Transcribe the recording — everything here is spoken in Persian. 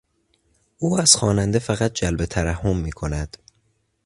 او از خواننده فقط جلب ترحم می کند.